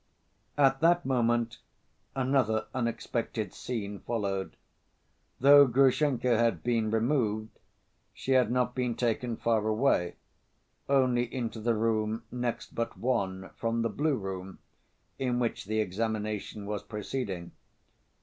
At that moment another unexpected scene followed. Though Grushenka had been removed, she had not been taken far away, only into the room next but one from the blue room, in which the examination was proceeding.